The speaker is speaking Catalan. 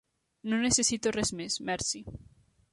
No necessito res més, merci.